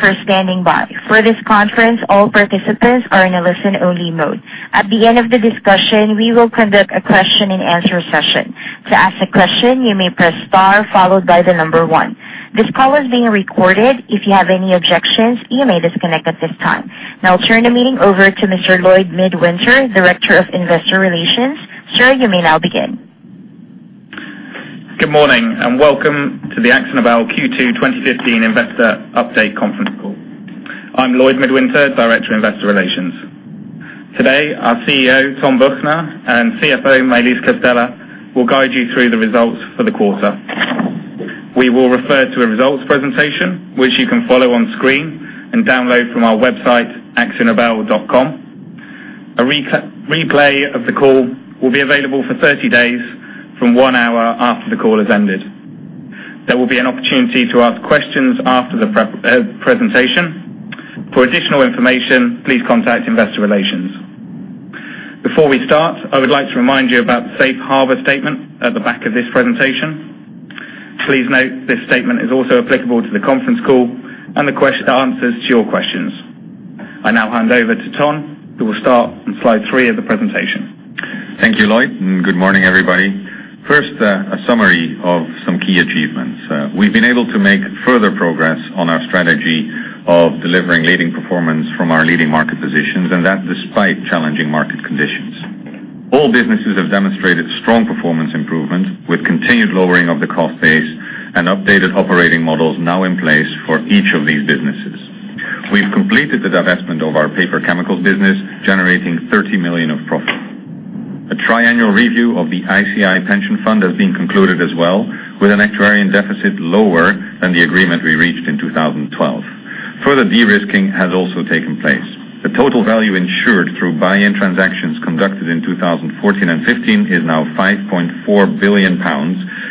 Thank you for standing by. For this conference, all participants are in a listen-only mode. At the end of the discussion, we will conduct a question and answer session. To ask a question, you may press star followed by the number one. This call is being recorded. If you have any objections, you may disconnect at this time. I'll turn the meeting over to Mr. Lloyd Midwinter, Director of Investor Relations. Sir, you may now begin. Good morning. Welcome to the Akzo Nobel Q2 2015 Investor Update Conference Call. I am Lloyd Midwinter, Director of Investor Relations. Today, our CEO, Ton Büchner, and CFO, Maëlys Castella, will guide you through the results for the quarter. We will refer to a results presentation, which you can follow on screen and download from our website, akzonobel.com. A replay of the call will be available for 30 days from one hour after the call has ended. There will be an opportunity to ask questions after the presentation. For additional information, please contact investor relations. Before we start, I would like to remind you about the safe harbor statement at the back of this presentation. Please note this statement is also applicable to the conference call and the answers to your questions. I now hand over to Ton, who will start on slide three of the presentation. Thank you, Lloyd. Good morning, everybody. First, a summary of some key achievements. We've been able to make further progress on our strategy of delivering leading performance from our leading market positions, despite challenging market conditions. All businesses have demonstrated strong performance improvement with continued lowering of the cost base and updated operating models now in place for each of these businesses. We've completed the divestment of our Paper Chemicals business, generating 30 million of profit. A triennial review of the ICI Pension Fund has been concluded as well, with an actuarial deficit lower than the agreement we reached in 2012. Further de-risking has also taken place. The total value insured through buy-in transactions conducted in 2014 and 2015 is now £5.4 billion,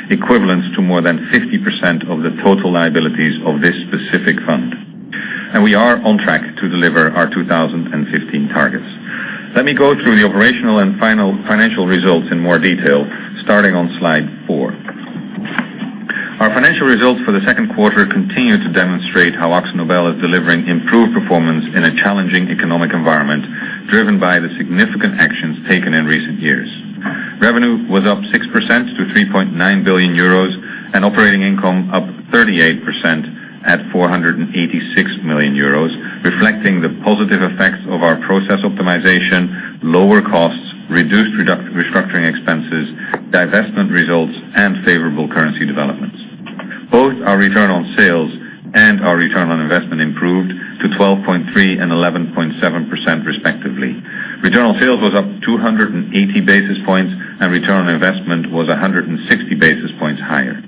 equivalent to more than 50% of the total liabilities of this specific fund. We are on track to deliver our 2015 targets. Let me go through the operational and financial results in more detail, starting on slide four. Our financial results for the second quarter continue to demonstrate how Akzo Nobel is delivering improved performance in a challenging economic environment driven by the significant actions taken in recent years. Revenue was up 6% to €3.9 billion and operating income up 38% at €486 million, reflecting the positive effects of our process optimization, lower costs, reduced restructuring expenses, divestment results, and favorable currency developments. Both our return on sales and our return on investment improved to 12.3% and 11.7%, respectively. Return on sales was up 280 basis points, and return on investment was 160 basis points higher.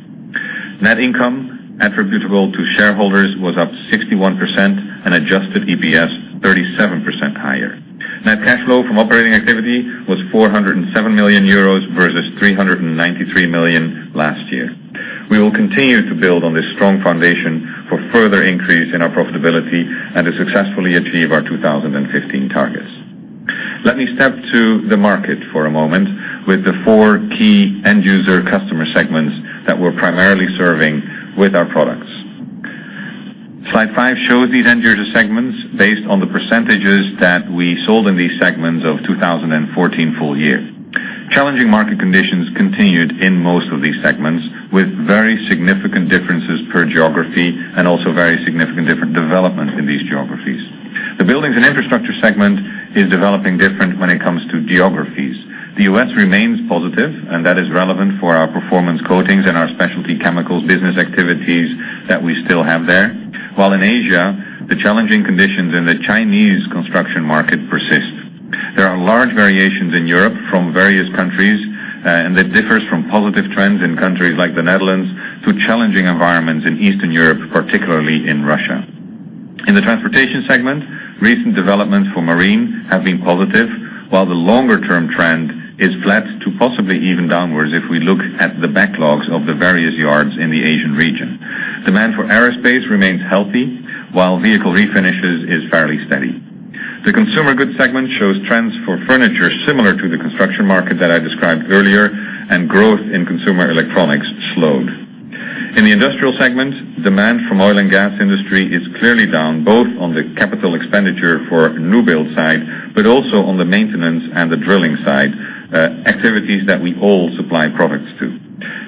Net income attributable to shareholders was up 61% and adjusted EPS 37% higher. Net cash flow from operating activity was €407 million versus 393 million last year. We will continue to build on this strong foundation for further increase in our profitability and to successfully achieve our 2015 targets. Let me step to the market for a moment with the four key end user customer segments that we're primarily serving with our products. Slide five shows these end user segments based on the percentages that we sold in these segments of 2014 full year. Challenging market conditions continued in most of these segments, with very significant differences per geography and also very significant different development in these geographies. The buildings and infrastructure segment is developing different when it comes to geographies. The U.S. remains positive, and that is relevant for our Performance Coatings and our Specialty Chemicals business activities that we still have there. While in Asia, the challenging conditions in the Chinese construction market persist. There are large variations in Europe from various countries, and that differs from positive trends in countries like the Netherlands to challenging environments in Eastern Europe, particularly in Russia. In the transportation segment, recent developments for marine have been positive, while the longer-term trend is flat to possibly even downwards if we look at the backlogs of the various yards in the Asian region. Demand for aerospace remains healthy, while vehicle refinishes is fairly steady. The consumer goods segment shows trends for furniture similar to the construction market that I described earlier, and growth in consumer electronics slowed. In the industrial segment, demand from oil and gas industry is clearly down, both on the capital expenditure for new build side, but also on the maintenance and the drilling side, activities that we all supply products to.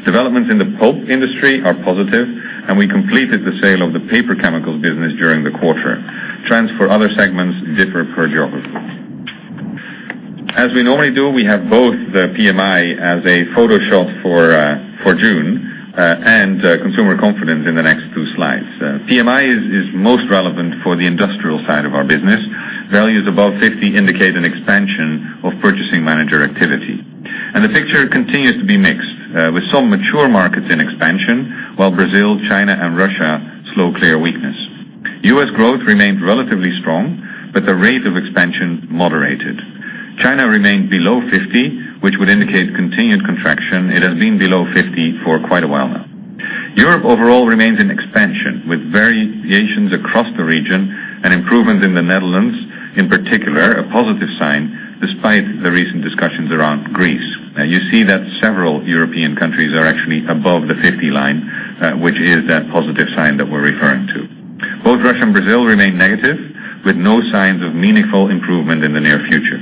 Developments in the pulp industry are positive, and we completed the sale of the Paper Chemicals business during the quarter. As we normally do, we have both the PMI as a snapshot for June and consumer confidence in the next two slides. PMI is most relevant for the industrial side of our business. Values above 50 indicate an expansion of purchasing manager activity. The picture continues to be mixed with some mature markets in expansion, while Brazil, China, and Russia slow clear weakness. U.S. growth remained relatively strong, but the rate of expansion moderated. China remained below 50, which would indicate continued contraction. It has been below 50 for quite a while now. Europe overall remains in expansion with variations across the region and improvement in the Netherlands, in particular, a positive sign despite the recent discussions around Greece. Now you see that several European countries are actually above the 50 line, which is that positive sign that we're referring to. Both Russia and Brazil remain negative, with no signs of meaningful improvement in the near future.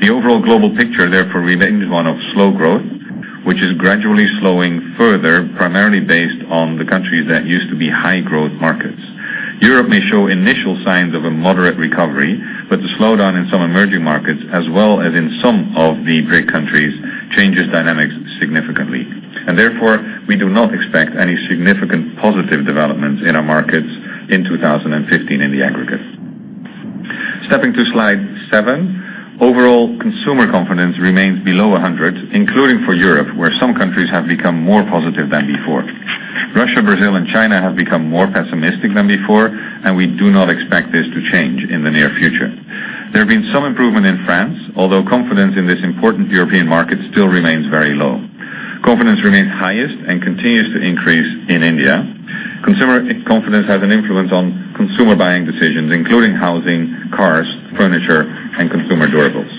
The overall global picture, therefore, remains one of slow growth, which is gradually slowing further, primarily based on the countries that used to be high growth markets. Europe may show initial signs of a moderate recovery, but the slowdown in some emerging markets, as well as in some of the BRIC countries, changes dynamics significantly. Therefore, we do not expect any significant positive developments in our markets in 2015 in the aggregate. Stepping to slide seven. Overall, consumer confidence remains below 100, including for Europe, where some countries have become more positive than before. Russia, Brazil, and China have become more pessimistic than before, we do not expect this to change in the near future. There have been some improvement in France, although confidence in this important European market still remains very low. Confidence remains highest and continues to increase in India. Consumer confidence has an influence on consumer buying decisions, including housing, cars, furniture, and consumer durables.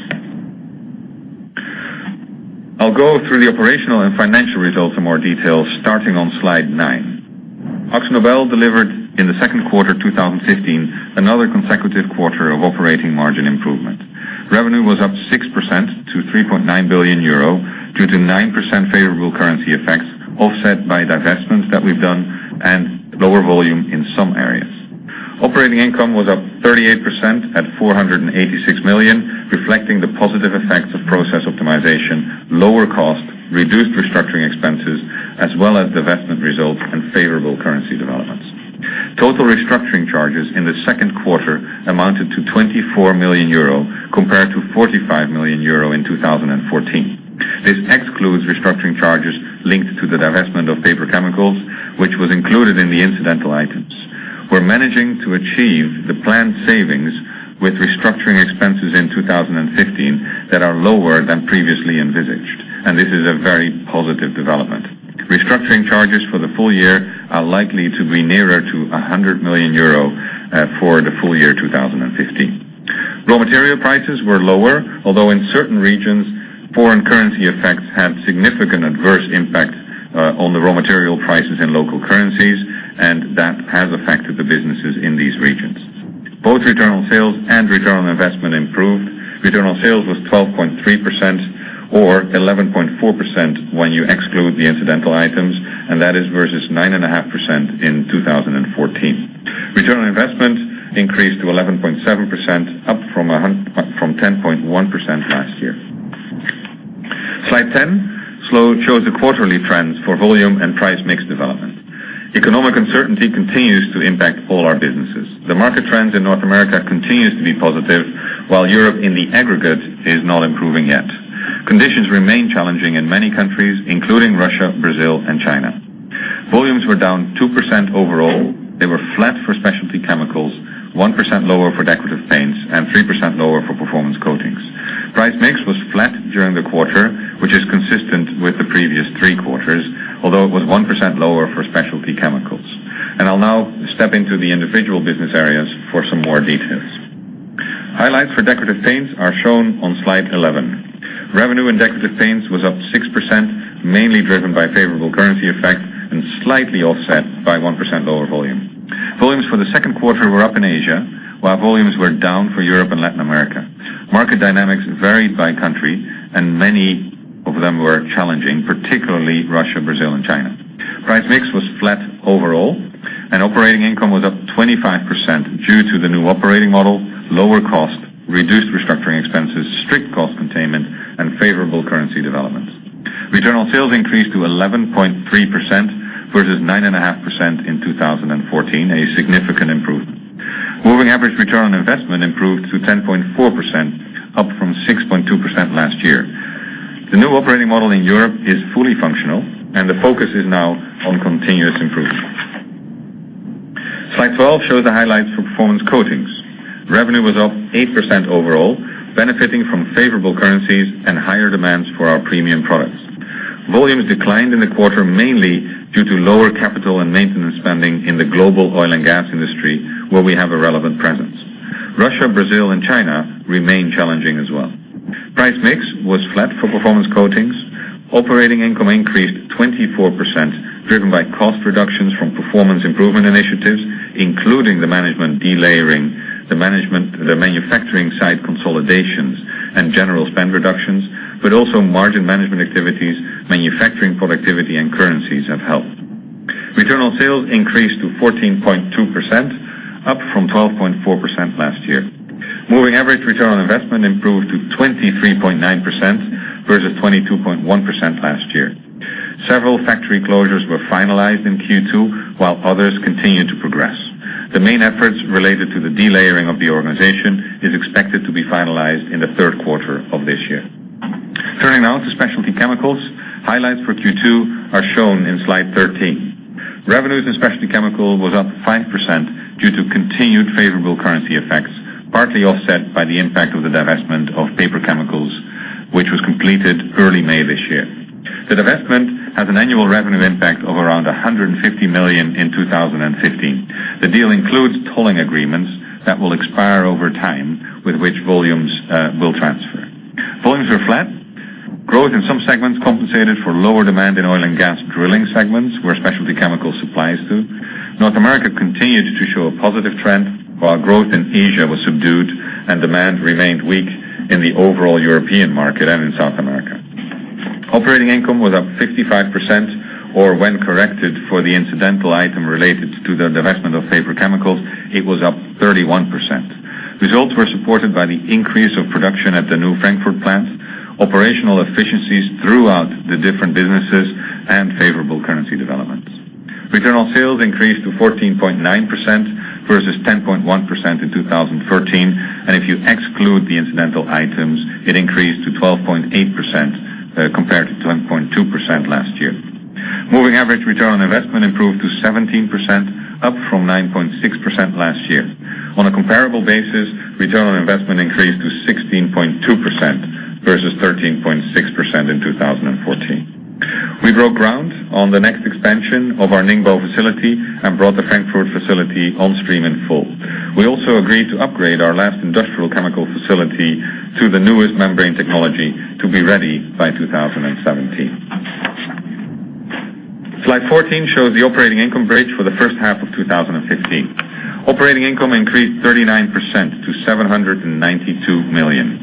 I will go through the operational and financial results in more detail, starting on slide nine. Akzo Nobel delivered in the second quarter 2015, another consecutive quarter of operating margin improvement. Revenue was up 6% to 3.9 billion euro due to 9% favorable currency effects, offset by divestments that we have done and lower volume in some areas. Operating income was up 38% at 486 million, reflecting the positive effects of process optimization, lower cost, reduced restructuring expenses, as well as divestment results and favorable currency developments. Total restructuring charges in the second quarter amounted to 24 million euro compared to 45 million euro in 2014. This excludes restructuring charges linked to the divestment of Paper Chemicals, which was included in the incidental items. We are managing to achieve the planned savings with restructuring expenses in 2015 that are lower than previously envisaged, this is a very positive development. Restructuring charges for the full year are likely to be nearer to 100 million euro for the full year 2015. Raw material prices were lower, although in certain regions, foreign currency effects had significant adverse impact on the raw material prices in local currencies, that has affected the businesses in these regions. Both Return on sales and Return on investment improved. Return on sales was 12.3% or 11.4% when you exclude the incidental items, that is versus 9.5% in 2014. Return on investment increased to 11.7%, up from 10.1% last year. Slide 10 shows the quarterly trends for volume and price mix development. Economic uncertainty continues to impact all our businesses. The market trends in North America continues to be positive, while Europe in the aggregate is not improving yet. Conditions remain challenging in many countries, including Russia, Brazil, and China. Volumes were down 2% overall. They were flat for Specialty Chemicals, 1% lower for Decorative Paints, and 3% lower for Performance Coatings. Price mix was flat during the quarter, which is consistent with the previous three quarters, although it was 1% lower for Specialty Chemicals. I will now step into the individual business areas for some more details. Highlights for Decorative Paints are shown on slide 11. Revenue in Decorative Paints was up 6%, mainly driven by favorable currency effect and slightly offset by 1% lower volume. Volumes for the second quarter were up in Asia, while volumes were down for Europe and Latin America. Market dynamics varied by country, many of them were challenging, particularly Russia, Brazil, and China. Price mix was flat overall, operating income was up 25% due to the new operating model, lower cost, reduced restructuring expenses, strict cost containment, and favorable currency developments. Return on sales increased to 11.3% versus 9.5% in 2014, a significant improvement. Moving average Return on investment improved to 10.4%, up from 6.2% last year. The new operating model in Europe is fully functional and the focus is now on continuous improvement. Slide 12 shows the highlights for Performance Coatings. Revenue was up 8% overall, benefiting from favorable currencies and higher demands for our premium products. Volumes declined in the quarter, mainly due to lower capital and maintenance spending in the global oil and gas industry, where we have a relevant presence. Russia, Brazil, and China remain challenging as well. Price mix was flat for Performance Coatings. Operating income increased 24%, driven by cost reductions from performance improvement initiatives, including the management delayering, the manufacturing site consolidations, and general spend reductions, but also margin management activities, manufacturing productivity, and currencies have helped. Return on sales increased to 14.2%, up from 12.4% last year. Moving average return on investment improved to 23.9% versus 22.1% last year. Several factory closures were finalized in Q2 while others continued to progress. The main efforts related to the delayering of the organization is expected to be finalized in the third quarter of this year. Turning now to Specialty Chemicals. Highlights for Q2 are shown in slide 13. Revenues in Specialty Chemicals was up 5% due to continued favorable currency effects, partly offset by the impact of the divestment of Paper Chemicals. Which was completed early May this year. The divestment has an annual revenue impact of around 150 million in 2015. The deal includes tolling agreements that will expire over time, with which volumes will transfer. Volumes are flat. Growth in some segments compensated for lower demand in oil and gas drilling segments, where Specialty Chemicals supplies to. North America continued to show a positive trend, while growth in Asia was subdued and demand remained weak in the overall European market and in South America. Operating income was up 55%, or when corrected for the incidental item related to the divestment of Paper Chemicals, it was up 31%. Results were supported by the increase of production at the new Frankfurt plant, operational efficiencies throughout the different businesses, and favorable currency developments. Return on sales increased to 14.9% versus 10.1% in 2013, and if you exclude the incidental items, it increased to 12.8% compared to 10.2% last year. Moving average return on investment improved to 17%, up from 9.6% last year. On a comparable basis, return on investment increased to 16.2% versus 13.6% in 2014. We broke ground on the next expansion of our Ningbo facility and brought the Frankfurt facility on stream in full. We also agreed to upgrade our last industrial chemical facility to the newest membrane technology to be ready by 2017. Slide 14 shows the operating income bridge for the first half of 2015. Operating income increased 39% to 792 million.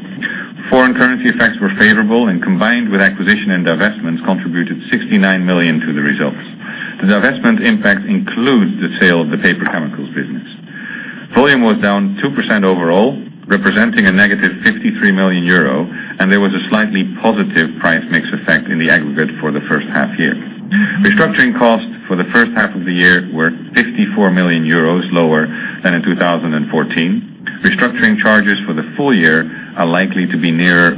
Foreign currency effects were favorable, combined with acquisition and divestments, contributed 69 million to the results. The divestment impact includes the sale of the Paper Chemicals business. Volume was down 2% overall, representing a negative 53 million euro, and there was a slightly positive price mix effect in the aggregate for the first half year. Restructuring costs for the first half of the year were 54 million euros lower than in 2014. Restructuring charges for the full year are likely to be near 100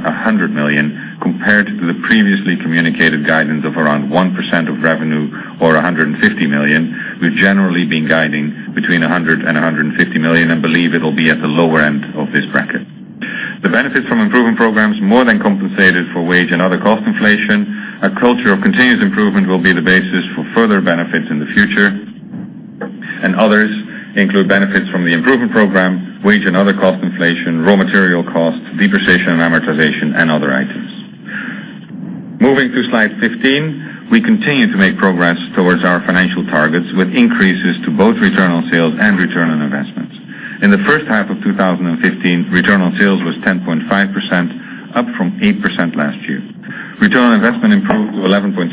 million compared to the previously communicated guidance of around 1% of revenue or 150 million. We've generally been guiding between 100 million and 150 million and believe it'll be at the lower end of this bracket. The benefits from improvement programs more than compensated for wage and other cost inflation. A culture of continuous improvement will be the basis for further benefits in the future. Others include benefits from the improvement program, wage and other cost inflation, raw material costs, depreciation and amortization, and other items. Moving to slide 15, we continue to make progress towards our financial targets with increases to both return on sales and return on investments. In the first half of 2015, return on sales was 10.5%, up from 8% last year. Return on investment improved to 11.7%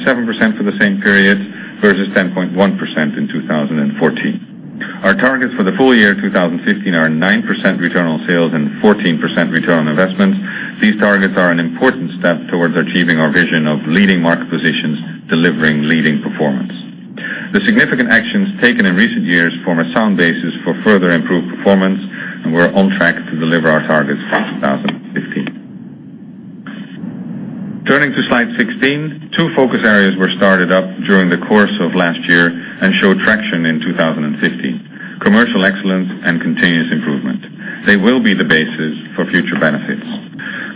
for the same period versus 10.1% in 2014. Our targets for the full year 2015 are 9% return on sales and 14% return on investments. These targets are an important step towards achieving our vision of leading market positions, delivering leading performance. The significant actions taken in recent years form a sound basis for further improved performance. We're on track to deliver our targets for 2015. Turning to slide 16, two focus areas were started up during the course of last year and show traction in 2015, commercial excellence and continuous improvement. They will be the basis for future benefits.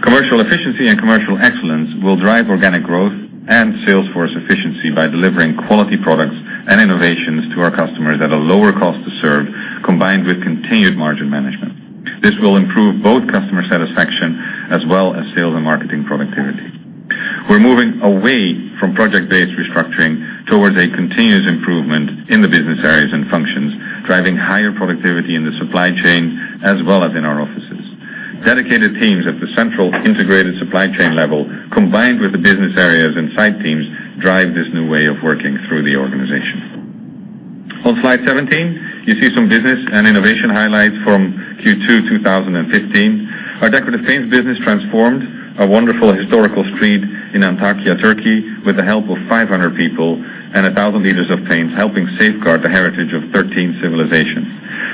Commercial efficiency and commercial excellence will drive organic growth and sales force efficiency by delivering quality products and innovations to our customers at a lower cost to serve, combined with continued margin management. This will improve both customer satisfaction as well as sales and marketing productivity. We're moving away from project-based restructuring towards a continuous improvement in the business areas and functions, driving higher productivity in the supply chain as well as in our offices. Dedicated teams at the central integrated supply chain level, combined with the business areas and site teams, drive this new way of working through the organization. On slide 17, you see some business and innovation highlights from Q2 2015. Our Decorative Paints business transformed a wonderful historical street in Antakya, Turkey, with the help of 500 people and 1,000 liters of paint, helping safeguard the heritage of 13 civilizations.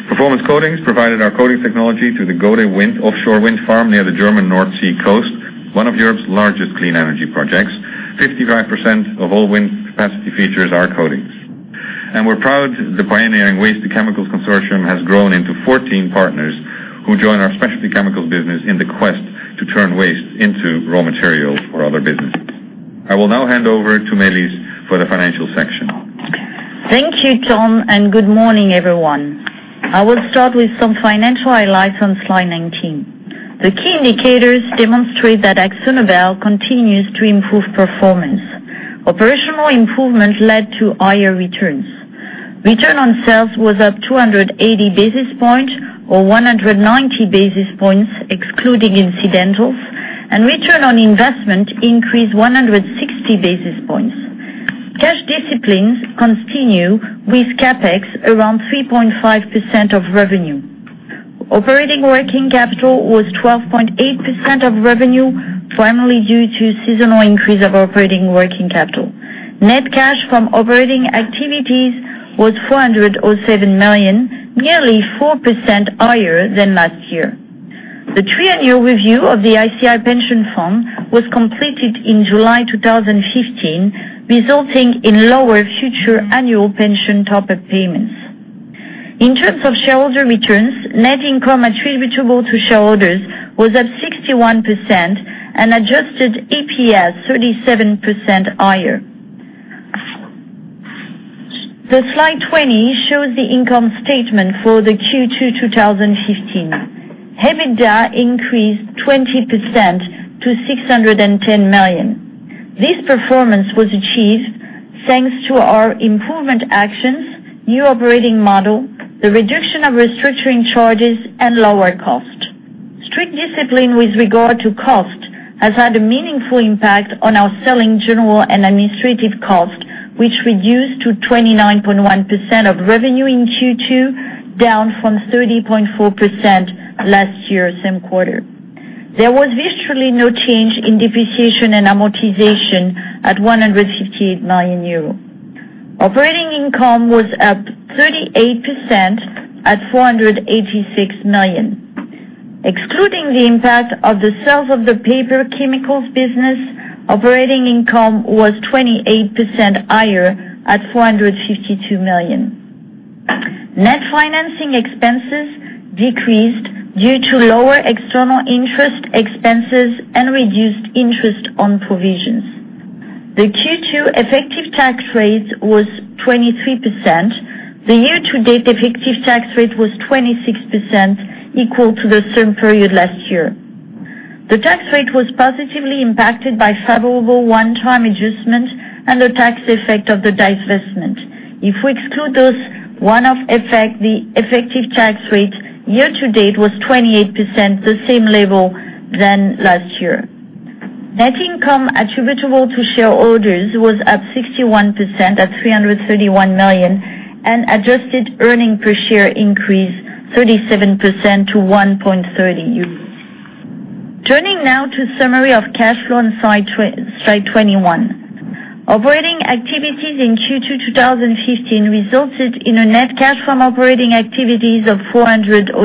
Performance Coatings provided our coating technology to the Gode Wind offshore wind farm near the German North Sea coast, one of Europe's largest clean energy projects. 55% of all wind capacity features our coatings. We're proud the pioneering Waste to Chemicals consortium has grown into 14 partners who join our Specialty Chemicals business in the quest to turn waste into raw materials for other businesses. I will now hand over to Maëlys for the financial section. Thank you, Ton. Good morning, everyone. I will start with some financial highlights on slide 19. The key indicators demonstrate that Akzo Nobel continues to improve performance. Operational improvement led to higher returns. Return on sales was up 280 basis points or 190 basis points, excluding incidentals, and return on investment increased 160 basis points. Cash disciplines continue with CapEx around 3.5% of revenue. Operating working capital was 12.8% of revenue, primarily due to seasonal increase of operating working capital. Net cash from operating activities was 407 million, nearly 4% higher than last year. The triennial review of the ICI Pension Fund was completed in July 2015, resulting in lower future annual pension top-up payments. In terms of shareholder returns, net income attributable to shareholders was up 61% and adjusted EPS 37% higher. The slide 20 shows the income statement for the Q2 2015. EBITDA increased 20% to 610 million. This performance was achieved thanks to our improvement actions, new operating model, the reduction of restructuring charges, and lower costs. Strict discipline with regard to cost has had a meaningful impact on our SGA costs, which reduced to 29.1% of revenue in Q2, down from 30.4% last year, same quarter. There was virtually no change in depreciation and amortization at 158 million euro. Operating income was up 38% at 486 million. Excluding the impact of the sales of the Paper Chemicals business, operating income was 28% higher at 452 million. Net financing expenses decreased due to lower external interest expenses and reduced interest on provisions. The Q2 effective tax rate was 23%. The year-to-date effective tax rate was 26%, equal to the same period last year. The tax rate was positively impacted by favorable one-time adjustment and the tax effect of the divestment. If we exclude those one-off effects, the effective tax rate year-to-date was 28%, the same level than last year. Net income attributable to shareholders was up 61% at 331 million, and adjusted earnings per share increased 37% to 1.30 euros. Turning now to summary of cash flows on slide 21. Operating activities in Q2 2015 resulted in a net cash from operating activities of 407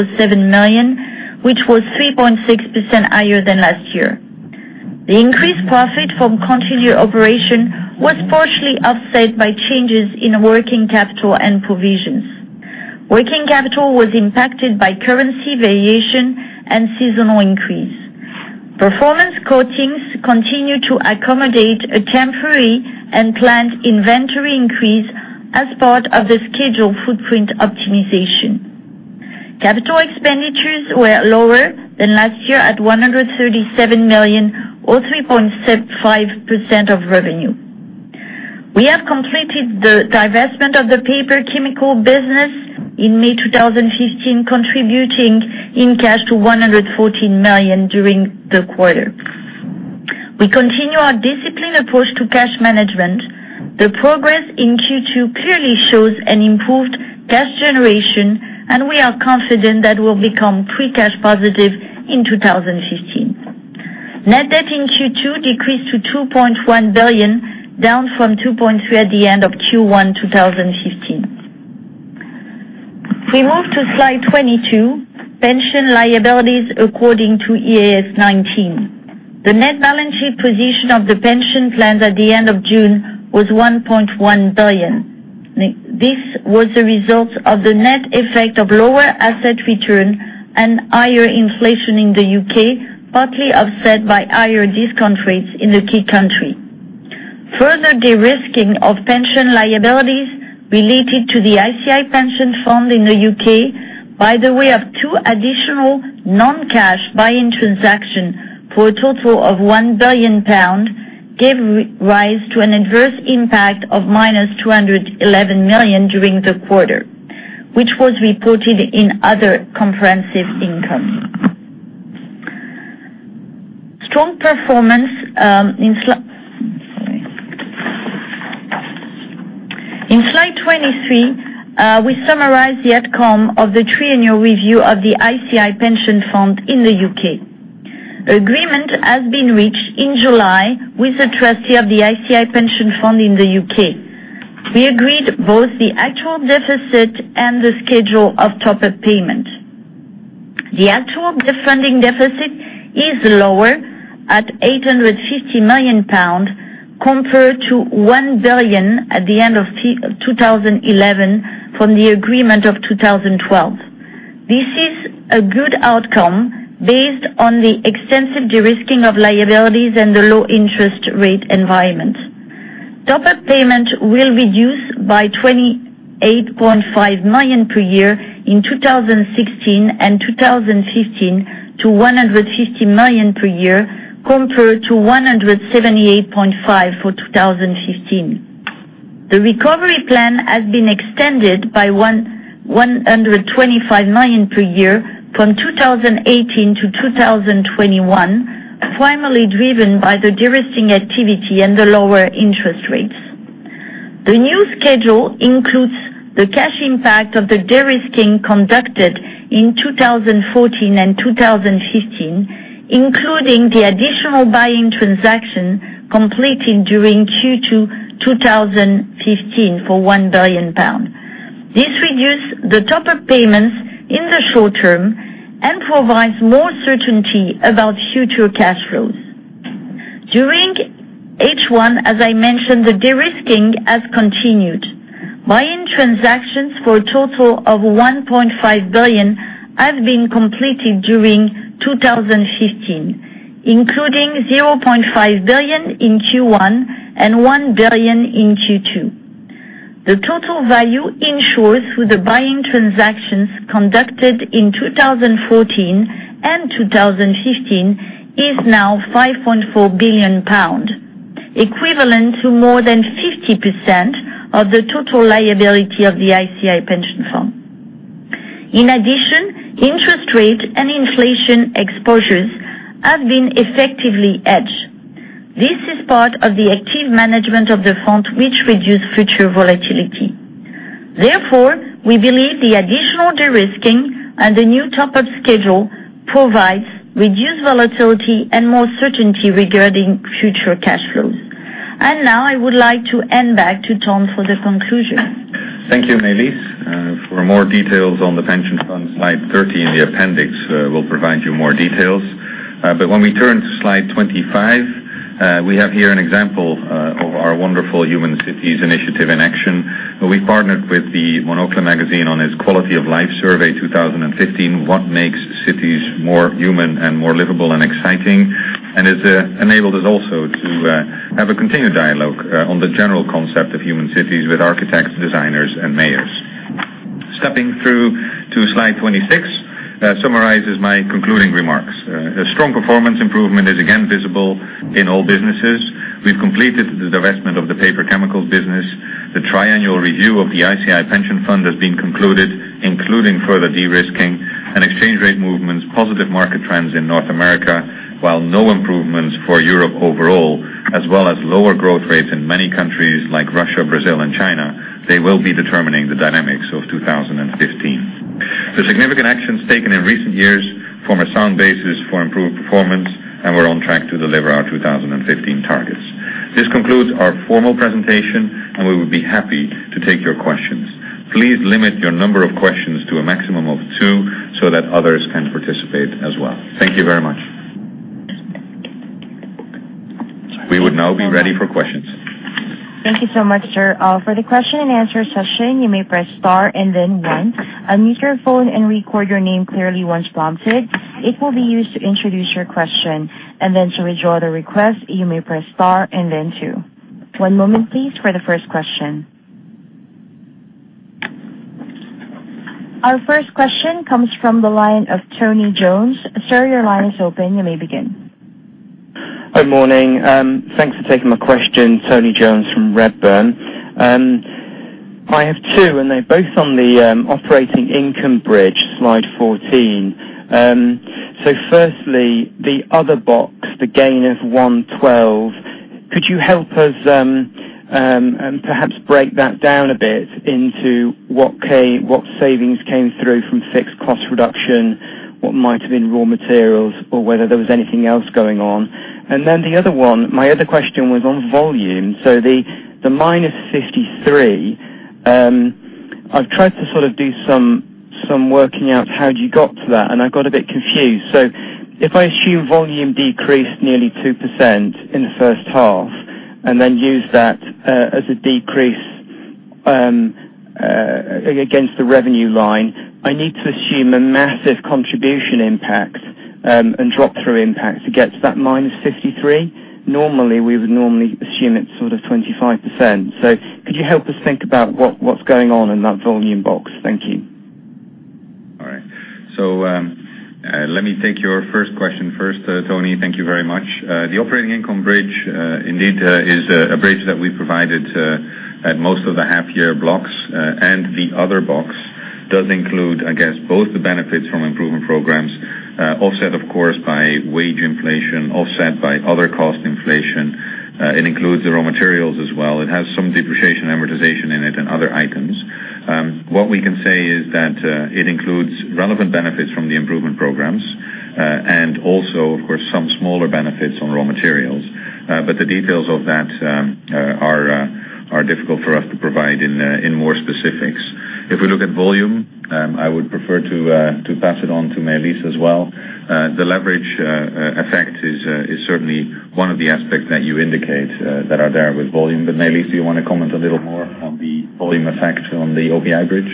million, which was 3.6% higher than last year. The increased profit from continued operation was partially offset by changes in working capital and provisions. Working capital was impacted by currency variation and seasonal increase. Performance Coatings continue to accommodate a temporary and planned inventory increase as part of the scheduled footprint optimization. Capital expenditures were lower than last year at 137 million, or 3.75% of revenue. We have completed the divestment of the Paper Chemicals business in May 2015, contributing in cash to 114 million during the quarter. We continue our disciplined approach to cash management. The progress in Q2 clearly shows an improved cash generation, and we are confident that we'll become free cash positive in 2015. Net debt in Q2 decreased to 2.1 billion, down from 2.3 billion at the end of Q1 2015. We move to slide 22, pension liabilities according to IAS 19. The net balance sheet position of the pension plan at the end of June was 1.1 billion. This was a result of the net effect of lower asset returns and higher inflation in the U.K., partly offset by higher discount rates in the key country. Further de-risking of pension liabilities related to the ICI Pension Fund in the U.K., by the way of two additional non-cash buy-in transactions for a total of 1 billion pound, gave rise to an adverse impact of -211 million during the quarter, which was reported in other comprehensive income. In slide 23, we summarize the outcome of the triennial review of the ICI Pension Fund in the U.K. Agreement has been reached in July with the trustee of the ICI Pension Fund in the U.K. We agreed both the actual deficit and the schedule of top-up payments. The actual defunding deficit is lower at 850 million pounds compared to 1 billion at the end of 2011 from the agreement of 2012. This is a good outcome based on the extensive de-risking of liabilities and the low interest rate environment. Top-up payment will reduce by 28.5 million per year in 2016 and 2015 to 150 million per year compared to 178.5 for 2015. The recovery plan has been extended by 125 million per year from 2018 to 2021, primarily driven by the de-risking activity and the lower interest rates. The new schedule includes the cash impact of the de-risking conducted in 2014 and 2015, including the additional buy-in transaction completed during Q2 2015 for 1 billion pounds. This reduced the top-up payments in the short term and provides more certainty about future cash flows. During H1, as I mentioned, the de-risking has continued. Buying transactions for a total of 1.5 billion have been completed during 2015, including 0.5 billion in Q1 and 1 billion in Q2. The total value insured through the buying transactions conducted in 2014 and 2015 is now 5.4 billion pounds, equivalent to more than 50% of the total liability of the ICI Pension Fund. In addition, interest rate and inflation exposures have been effectively hedged. This is part of the active management of the fund, which reduces future volatility. Therefore, we believe the additional de-risking and the new top-up schedule provides reduced volatility and more certainty regarding future cash flows. Now I would like to hand back to Ton for the conclusion. Thank you, Maëlys. For more details on the pension fund, slide 13 in the appendix will provide you more details. When we turn to slide 25, we have here an example of our wonderful Human Cities initiative in action. We partnered with the Monocle magazine on its Quality of Life Survey 2015, what makes cities more human and more livable and exciting, and it enabled us also to have a continued dialogue on the general concept of Human Cities with architects, designers, and mayors. Stepping through to slide 26, summarizes my concluding remarks. A strong performance improvement is again visible in all businesses. We've completed the divestment of the Paper Chemicals business. The triannual review of the ICI Pension Fund has been concluded, including further de-risking and exchange rate movements, positive market trends in North America, while no improvements for Europe overall, as well as lower growth rates in many countries like Russia, Brazil, and China. They will be determining the dynamics of 2015. The significant actions taken in recent years form a sound basis for improved performance, we're on track to deliver our 2015 targets. This concludes our formal presentation, we would be happy to take your questions. Please limit your number of questions to a maximum of two so that others can participate as well. Thank you very much. We would now be ready for questions. Thank you so much, sir. For the question and answer session, you may press star and then one. Unmute your phone and record your name clearly once prompted. It will be used to introduce your question. To withdraw the request, you may press star and then two. One moment please, for the first question. Our first question comes from the line of Tony Jones. Sir, your line is open. You may begin. Good morning. Thanks for taking my question. Tony Jones from Redburn. I have two. They're both on the operating income bridge, slide 14. Firstly, the other box, the gain of 112. Could you help us perhaps break that down a bit into what savings came through from fixed cost reduction, what might have been raw materials, or whether there was anything else going on? The other one, my other question was on volume. The minus 53. I've tried to sort of do some working out how you got to that, and I got a bit confused. If I assume volume decreased nearly 2% in the first half and then used that as a decrease against the revenue line, I need to assume a massive contribution impact and drop-through impact to get to that minus 53. Normally, we would normally assume it's sort of 25%. Could you help us think about what's going on in that volume box? Thank you. All right. Let me take your first question first, Tony. Thank you very much. The operating income bridge indeed is a bridge that we provided at most of the half year blocks. The other box does include, I guess, both the benefits from improvement programs, offset of course by wage inflation, offset by other cost inflation. It includes the raw materials as well. It has some depreciation, amortization in it, and other items. What we can say is that it includes relevant benefits from the improvement programs. Also, of course, some smaller benefits on raw materials. The details of that are difficult for us to provide in more specifics. If we look at volume, I would prefer to pass it on to Maëlys as well. The leverage effect is certainly one of the aspects that you indicate that are there with volume. Maëlys, do you want to comment a little more on the volume effect on the OPI bridge?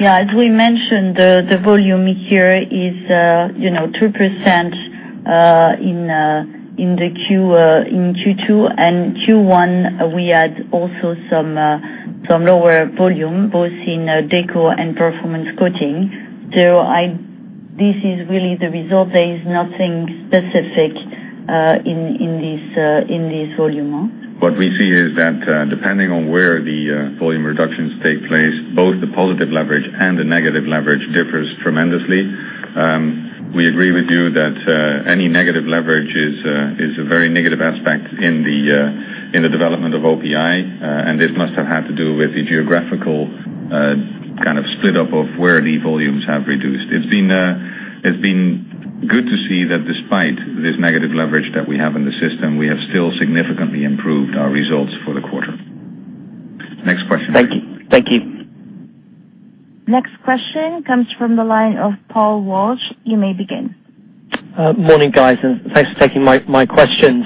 As we mentioned, the volume here is 2% in Q2. Q1, we had also some lower volume, both in Deco and Performance Coatings. This is really the result. There is nothing specific in this volume. What we see is that depending on where the volume reductions take place, both the positive leverage and the negative leverage differs tremendously. We agree with you that any negative leverage is a very negative aspect in the development of OPI, and this must have had to do with the geographical kind of split up of where the volumes have reduced. It's been good to see that despite this negative leverage that we have in the system, we have still significantly improved our results for the quarter. Next question. Thank you. Next question comes from the line of Paul Walsh. You may begin. Morning, guys, and thanks for taking my questions.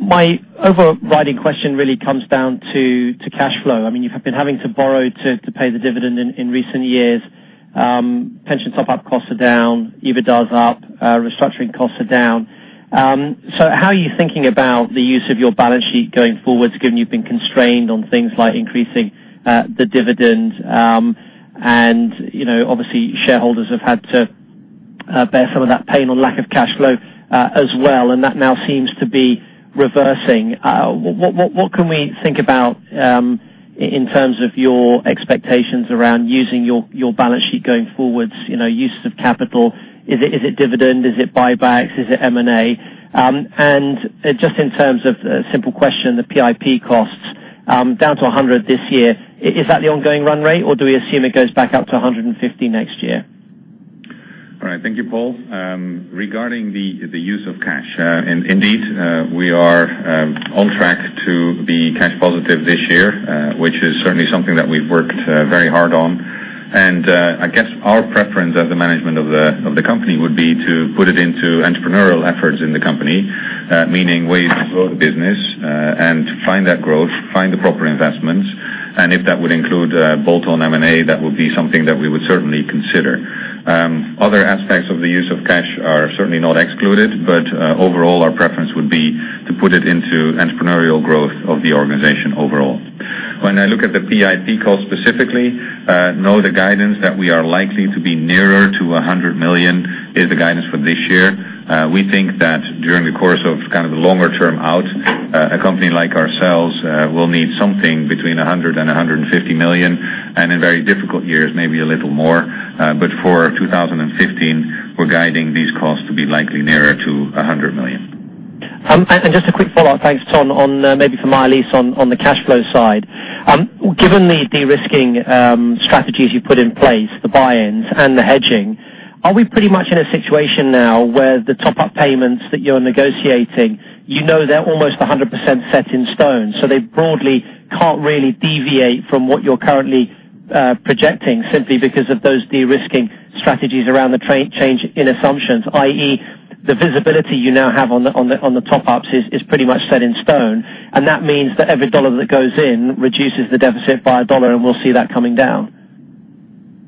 My overriding question really comes down to cash flow. You've been having to borrow to pay the dividend in recent years. Pension top-up costs are down, EBITDA is up, restructuring costs are down. How are you thinking about the use of your balance sheet going forward, given you've been constrained on things like increasing the dividend? Obviously, shareholders have had to bear some of that pain on lack of cash flow as well, and that now seems to be reversing. What can we think about in terms of your expectations around using your balance sheet going forwards, use of capital? Is it dividend? Is it buybacks? Is it M&A? Just in terms of a simple question, the PIP costs down to 100 this year. Is that the ongoing run rate, or do we assume it goes back up to 150 next year? All right. Thank you, Paul. Regarding the use of cash, indeed, we are on track to be cash positive this year, which is certainly something that we've worked very hard on. I guess our preference as the management of the company would be to put it into entrepreneurial efforts in the company, meaning ways to grow the business and find that growth, find the proper investments, and if that would include bolt-on M&A, that would be something that we would certainly consider. Other aspects of the use of cash are certainly not excluded, but overall, our preference would be to put it into entrepreneurial growth of the organization overall. When I look at the PIP cost specifically, know the guidance that we are likely to be nearer to 100 million is the guidance for this year. We think that during the course of the longer term out, a company like ourselves will need something between 100 million and 150 million, and in very difficult years, maybe a little more. For 2015, we're guiding these costs to be likely nearer to 100 million. Just a quick follow-up. Thanks, Ton, maybe for Maëlys on the cash flow side. Given the de-risking strategies you put in place, the buy-ins and the hedging, are we pretty much in a situation now where the top-up payments that you know you're negotiating, they're almost 100% set in stone, they broadly can't really deviate from what you're currently projecting simply because of those de-risking strategies around the change in assumptions, i.e., the visibility you now have on the top-ups is pretty much set in stone, and that means that every EUR that goes in reduces the deficit by a EUR, and we'll see that coming down?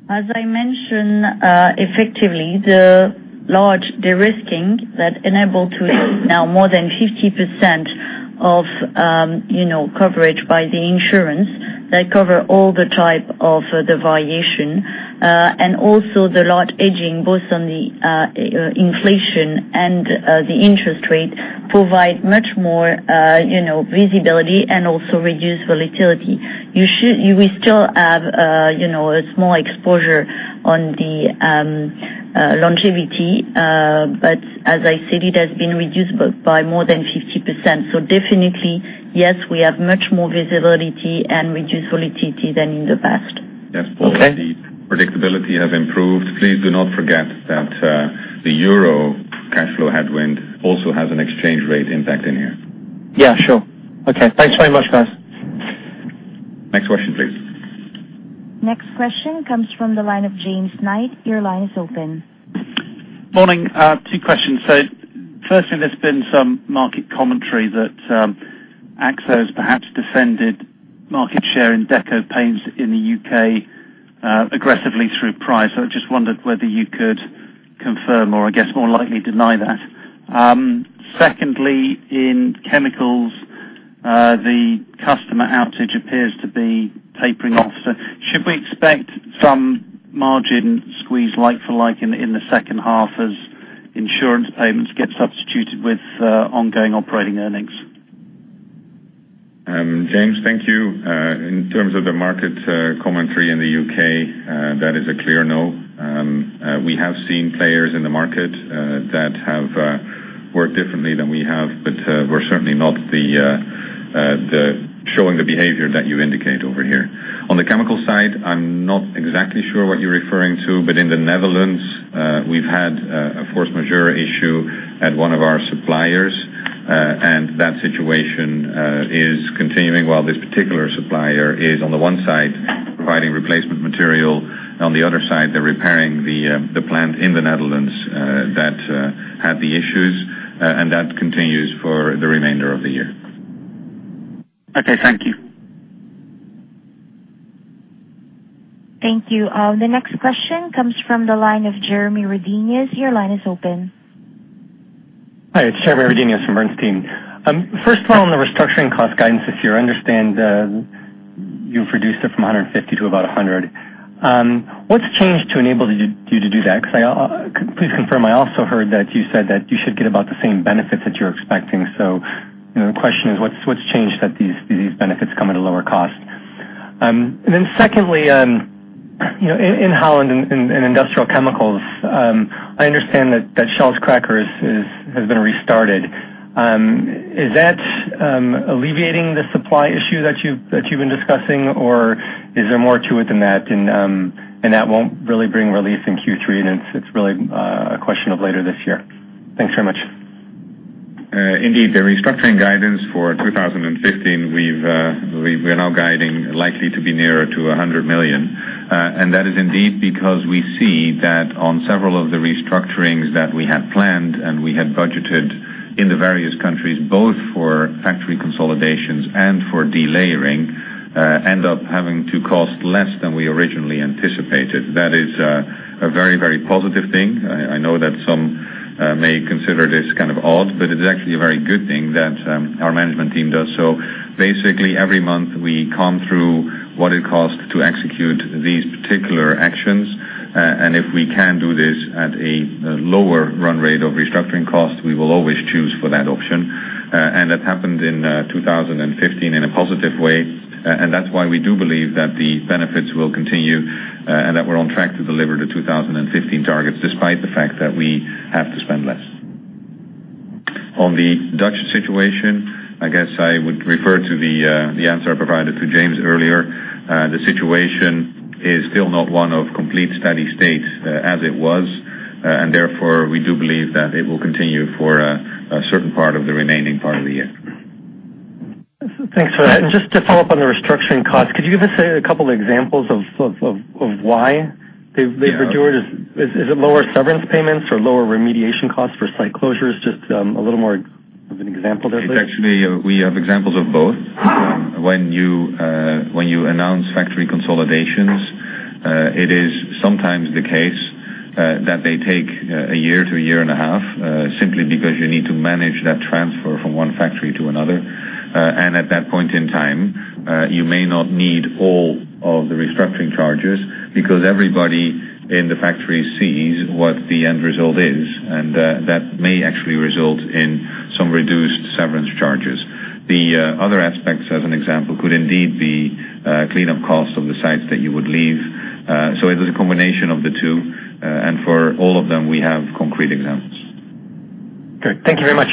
As I mentioned, effectively, the large de-risking that enabled to now more than 50% of coverage by the insurance that cover all the type of the variation, and also the large hedging, both on the inflation and the interest rate, provide much more visibility and also reduce volatility. We still have a small exposure on the longevity, but as I said, it has been reduced by more than 50%. Definitely, yes, we have much more visibility and reduced volatility than in the past. Okay. Yes, Paul. The predictability has improved. Please do not forget that the euro cash flow headwind also has an exchange rate impact in here. Yeah, sure. Okay. Thanks very much, guys. Next question, please. Next question comes from the line of James Knight. Your line is open. Morning. Two questions. Firstly, there's been some market commentary that Akzo has perhaps defended market share in Deco Paints in the U.K. aggressively through price. I just wondered whether you could confirm or I guess more likely deny that. Secondly, in chemicals, the customer outage appears to be tapering off. Should we expect some margin squeeze like for like in the second half as insurance payments get substituted with ongoing operating earnings? James, thank you. In terms of the market commentary in the U.K., that is a clear no. We have seen players in the market that have worked differently than we have, but we're certainly not showing the behavior that you indicate over here. On the chemical side, I'm not exactly sure what you're referring to, but in the Netherlands, we've had a force majeure issue at one of our suppliers, and that situation is continuing while this particular supplier is, on the one side, providing replacement material. On the other side, they're repairing the plant in the Netherlands that had the issues, and that continues for the remainder of the year. Okay. Thank you. Thank you. The next question comes from the line of Jeremy Redenius. Your line is open. Hi. It's Jeremy Redenius from Bernstein. First of all, on the restructuring cost guidance this year, I understand you've reduced it from 150 to about 100. What's changed to enable you to do that? Please confirm, I also heard that you said that you should get about the same benefits that you're expecting. The question is what's changed that these benefits come at a lower cost? Secondly, in Holland in industrial chemicals, I understand that Shell's cracker has been restarted. Is that alleviating the supply issue that you've been discussing, or is there more to it than that and that won't really bring relief in Q3 and it's really a question of later this year? Thanks very much. Indeed, the restructuring guidance for 2015, we're now guiding likely to be nearer to 100 million. That is indeed because we see that on several of the restructurings that we had planned and we had budgeted in the various countries, both for factory consolidations and for delayering, end up having to cost less than we originally anticipated. That is a very positive thing. I know that some may consider this kind of odd, but it's actually a very good thing that our management team does. Basically, every month we comb through what it costs to execute these particular actions. If we can do this at a lower run rate of restructuring costs, we will always choose for that option. That happened in 2015 in a positive way, and that's why we do believe that the benefits will continue, and that we're on track to deliver the 2015 targets, despite the fact that we have to spend less. On the Dutch situation, I guess I would refer to the answer I provided to James earlier. The situation is still not one of complete steady states as it was. Therefore, we do believe that it will continue for a certain part of the remaining part of the year. Thanks for that. Just to follow up on the restructuring costs, could you give us a couple examples of why they've endured? Yeah. Is it lower severance payments or lower remediation costs for site closures? Just a little more of an example there, please. It's actually, we have examples of both. When you announce factory consolidations, it is sometimes the case that they take a year to a year and a half, simply because you need to manage that transfer from one factory to another. At that point in time, you may not need all of the restructuring charges because everybody in the factory sees what the end result is, and that may actually result in some reduced severance charges. The other aspects, as an example, could indeed be cleanup costs of the sites that you would leave. It is a combination of the two, and for all of them, we have concrete examples. Great. Thank you very much.